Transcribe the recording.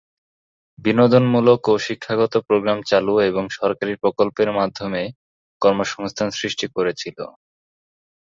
বিনোদনমূলক ও শিক্ষাগত প্রোগ্রাম চালু এবং সরকারি প্রকল্পের মাধ্যমে কর্মসংস্থান সৃষ্টি করেছিল।